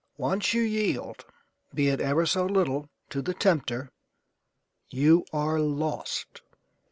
Once you yield, be it ever so little, to the tempter, you are lost.